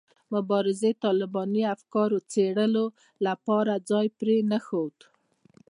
مبارزې د طالباني افکارو څېړلو لپاره ځای پرې نه ښود.